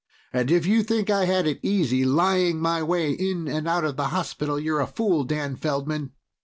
And if you think I had it easy lying my way in and out of the hospital, you're a fool, Dan Feldman.